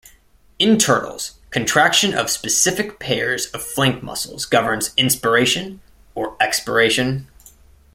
In turtles, contraction of specific pairs of flank muscles governs inspiration or expiration.